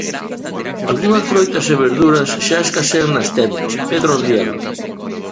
Algunhas froitas e verduras xa escasean nas tendas, Pedro Rielo.